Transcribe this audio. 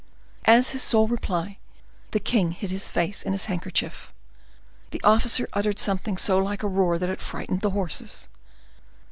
As his sole reply, the king hid his face in his handkerchief. The officer uttered something so like a roar that it frightened the horses.